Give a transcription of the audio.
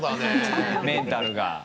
メンタルが。